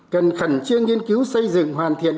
cần khẩn trương nghiên cứu xây dựng hoàn thiện